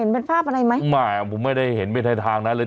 ไม่ผมไม่ได้เห็นในใดทางนั้นเลย